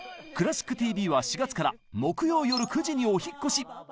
「クラシックＴＶ」は４月から木曜よる９時にお引っ越し！